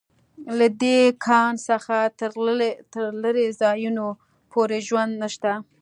له دې کان څخه تر لېرې ځایونو پورې ژوند نشته